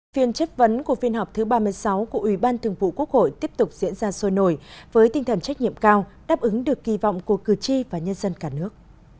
phiên chất vấn của phiên họp thứ ba mươi sáu của ủy ban thường vụ quốc hội tiếp tục diễn ra sôi nổi với tinh thần trách nhiệm cao đáp ứng được kỳ vọng của cử tri và nhân dân cả nước